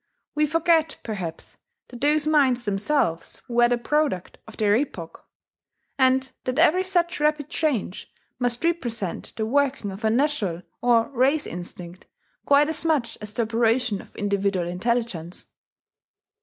We forget, perhaps, that those minds themselves were the product of their epoch, and that every such rapid change must represent the working of a national or race instinct quite as much as the operation of individual intelligence.